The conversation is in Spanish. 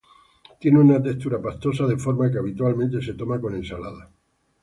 Tiene una textura pastosa de forma que habitualmente se toma con ensaladas.